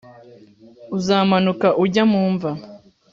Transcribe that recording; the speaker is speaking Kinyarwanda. uzamanuka ujya mu mva